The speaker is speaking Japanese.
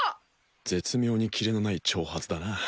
絶妙にキレのない挑発だな